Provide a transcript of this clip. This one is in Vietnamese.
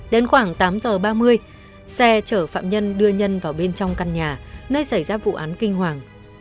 đến khoảng tám giờ ba mươi xe chở phạm nhân đưa nhân vào bên trong căn nhà nơi xảy ra vụ án kinh hoàng